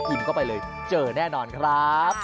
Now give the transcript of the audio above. เข้าไปเลยเจอแน่นอนครับ